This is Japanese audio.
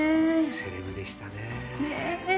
セレブでしたね。ねぇ。